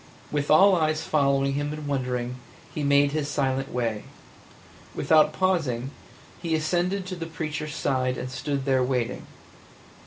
With all eyes following him and wondering, he made his silent way; without pausing, he ascended to the preacher's side and stood there waiting.